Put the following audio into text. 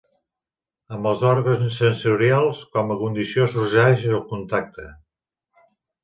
Amb els òrgans sensorials com a condició sorgeix el contacte.